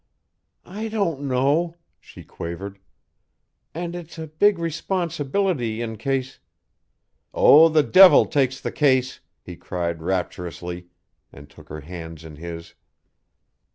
"I don't know," she quavered, "and it's a big responsibility in case " "Oh, the devil take the case!" he cried rapturously, and took her hands in his.